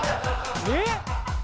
えっ！